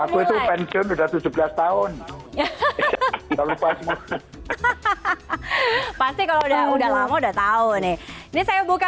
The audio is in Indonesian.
nge review pension udah tujuh belas tahun ya lupa pasti kalau udah udah lama udah tahu nih ini saya buka